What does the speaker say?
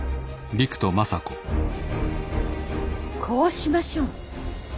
こうしましょう。